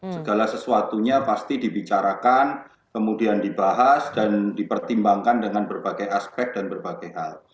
segala sesuatunya pasti dibicarakan kemudian dibahas dan dipertimbangkan dengan berbagai aspek dan berbagai hal